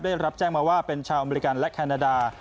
ได้รับแจ้งมาว่าเป็นชาวอเมริกันและแคนาดา